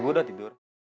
ibu udah tidur